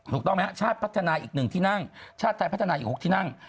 ถูกต้องไหมฮะชาติพัฒนาอีก๑ที่นั่งชาติไทยพัฒนาอยู่๖ที่นั่ง